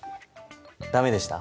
ダメでした？